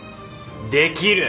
できる。